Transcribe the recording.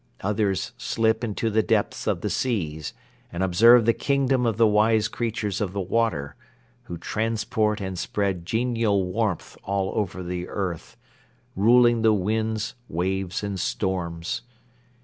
Others slip into the depths of the seas and observe the kingdom of the wise creatures of the water, who transport and spread genial warmth all over the earth, ruling the winds, waves and storms.